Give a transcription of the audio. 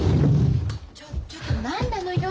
ちょちょっと何なのよ？